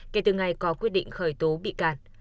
kể từ ngày có quyết định khởi tố bị can